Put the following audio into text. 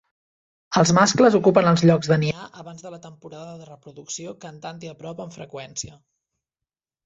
Els mascles ocupen els llocs de niar abans de la temporada de reproducció cantant-hi a prop amb freqüència.